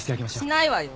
しないわよ。